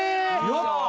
やった！